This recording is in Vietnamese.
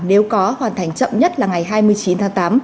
nếu có hoàn thành chậm nhất là ngày hai mươi chín tháng tám